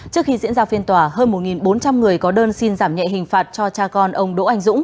trước khi diễn ra phiên tòa hơn một bốn trăm linh người có đơn xin giảm nhẹ hình phạt cho cha con ông đỗ anh dũng